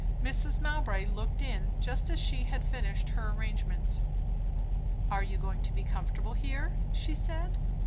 Mrs. Mowbray looked in, just as she had finished her arrangements. "Are you going to be comfortable here?" she said.